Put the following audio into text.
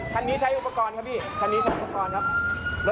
คันนี้ใช้อุปกรณ์ครับพี่คันนี้ใช้อุปกรณ์ครับ